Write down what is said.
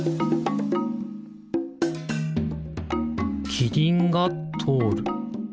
キリンがとおる。